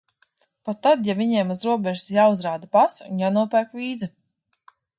Pat tad, ja viņiem uz robežas ir jāuzrāda pase un jānopērk vīza.